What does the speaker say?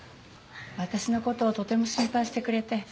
私の事をとても心配してくれて。